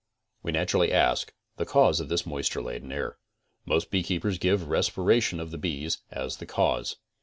We naturally ask the cause of this moisture laden air. Most beekeepers give respiration of the bees as the cause.